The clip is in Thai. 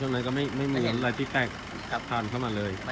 ช่วงนั้นก็ไม่มีอะไรที่แปลกผ่านเข้ามาเลยไม่